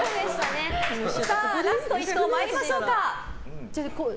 ラスト１刀、参りましょうか。